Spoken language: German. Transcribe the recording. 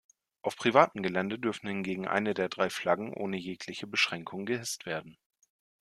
Auf privatem Gelände dürfen hingegen eine der drei Flaggen ohne jegliche Beschränkung gehisst werden.